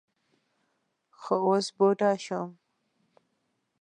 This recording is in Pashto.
خو اوس بوډا شوم.